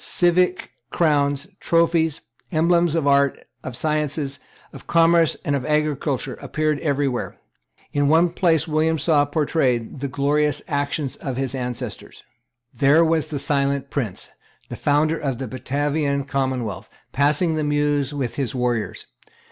Civic crowns, trophies, emblems of arts, of sciences, of commerce and of agriculture, appeared every where. In one place William saw portrayed the glorious actions of his ancestors. There was the silent prince, the founder of the Batavian commonwealth, passing the Meuse with his warriors.